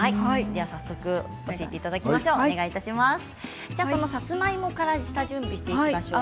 早速教えていただきましょう。